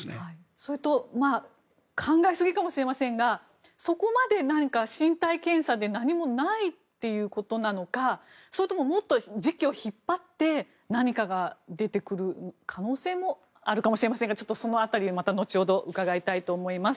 それと考えすぎかもしれませんがそこまで何か身体検査で何もないということなのかそれとももっと時期を引っ張って何かが出てくる可能性もあるかもしれませんがちょっとその辺りは後ほど伺いたいと思います。